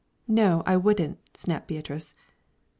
"No, I wouldn't," snapped Beatrice.